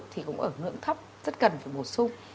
thì cũng ở ngưỡng thấp rất cần phải bổ sung